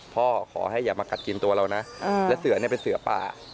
ขอให้อย่ามากัดกินตัวเรานะและเสือเนี่ยเป็นเสือป่า